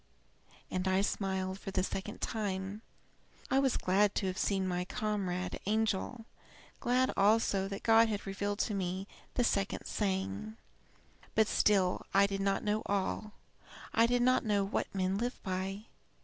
And I smiled for the second time. I was glad to have seen my comrade angel glad also that God had revealed to me the second saying. "But I still did not know all. I did not know What men live by.